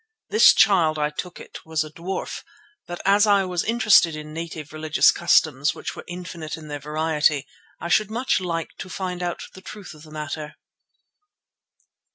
This child, I took it, was a dwarf; but as I was interested in native religious customs which were infinite in their variety, I should much like to find out the truth of the matter.